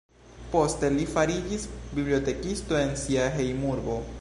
Poste li fariĝis bibliotekisto en sia hejmurbo.